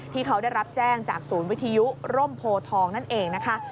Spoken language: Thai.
ที่เขาได้รับแจ้งจากศูนย์วิทยุร่มโพทองนั่นเองนะคะ